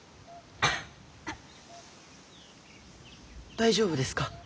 大丈夫ですか？